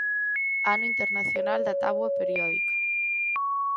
Ano Internacional da Táboa Periódica.